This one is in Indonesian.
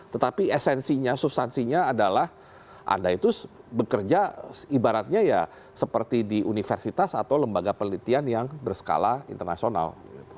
tetapi esensinya substansinya adalah anda itu bekerja ibaratnya ya seperti di universitas atau lembaga penelitian yang berskala internasional